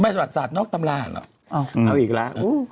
ประวัติศาสตร์นอกตำราญเหรอเอาอีกแล้ว